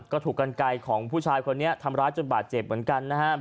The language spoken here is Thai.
ก็ถูกกันไกลของผู้ชายคนนี้ทำร้ายจนบาดเจ็บเหมือนกันนะครับ